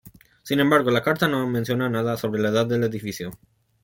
Sin embargo, la carta no menciona nada sobre la edad del edificio.